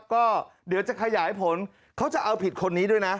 ก็เดี๋ยวจะขยายผลเขาจะเอาผิดคนนี้ด้วยนะ